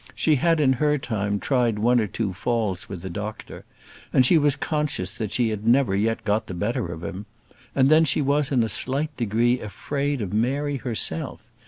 She had in her time tried one or two falls with the doctor, and she was conscious that she had never yet got the better of him: and then she was in a slight degree afraid of Mary herself.